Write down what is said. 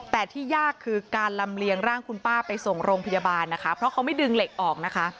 แต่ที่ยากคือการลำเลียงร่างคุณป้าไปส่งโรงพยาบาลนะคะเพราะเขาไม่ดึงเหล็กออกนะคะ